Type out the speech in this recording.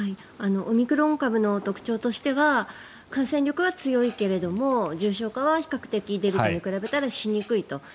オミクロン株の特徴としては感染力は強いけれども重症化はデルタ株に比べたらしにくいと。